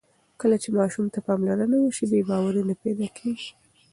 کله چې ماشوم ته پاملرنه وشي، بې باوري نه پیدا کېږي.